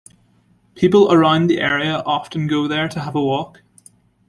People around the area often go there to have a walk.